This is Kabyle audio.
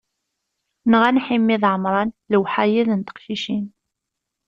Nɣan Ḥimi d Ɛemran, lewḥayed n teqcicin.